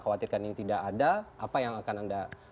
khawatirkan ini tidak ada apa yang akan anda